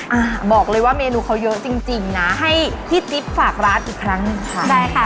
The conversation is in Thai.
อ่าบอกเลยว่าเมนูเขาเยอะจริงจริงนะให้พี่จิ๊บฝากร้านอีกครั้งหนึ่งค่ะได้ค่ะ